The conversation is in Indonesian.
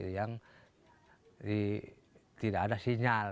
yang tidak ada sinyal